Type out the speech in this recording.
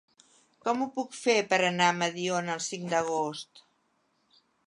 Com ho puc fer per anar a Mediona el cinc d'agost?